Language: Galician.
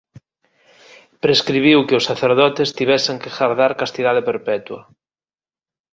Prescribiu que os sacerdotes tivesen que gardar castidade perpetua.